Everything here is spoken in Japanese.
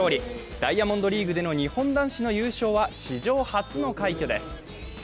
ダイヤモンドリーグでの日本男子の優勝は史上初の快挙です。